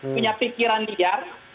punya pikiran liar